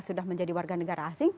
sudah menjadi warga negara asing